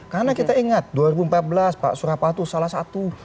karena kita ingat dua ribu empat belas pak surapalo itu salah satu